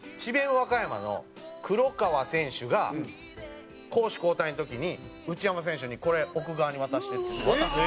和歌山の黒川選手が攻守交代の時に内山選手に「これ奥川に渡して」っつって渡した。